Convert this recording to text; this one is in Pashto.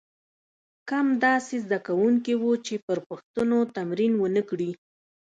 کم داسې زده کوونکي وو چې پر پوښتنو تمرین ونه کړي.